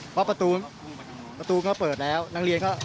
เพราะประตูเขาเปิดแล้วนักเรียนก็